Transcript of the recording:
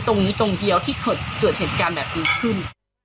ตรงนี้ตรงเดียวที่เกิดเหตุการณ์แบบนี้ขึ้น